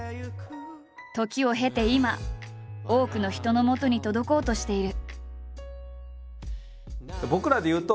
時を経て今多くの人のもとに届こうとしている。